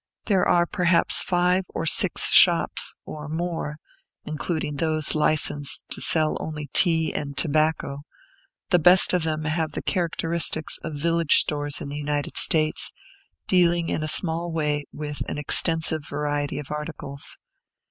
There are perhaps five or six shops, or more, including those licensed to sell only tea and tobacco; the best of them have the characteristics of village stores in the United States, dealing in a small way with an extensive variety of articles.